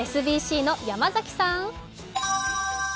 ＳＢＣの山崎さん。